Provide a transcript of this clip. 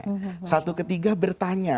istrinya satu ketiga bertanya